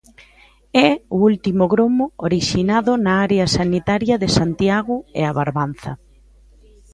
É o último gromo orixinado na área sanitaria de Santiago e A Barbanza.